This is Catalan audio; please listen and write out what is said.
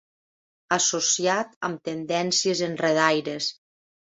Associat amb tendències enredaires.